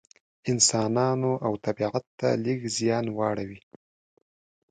انسانانو او طبیعت ته لږ زیان واړوي.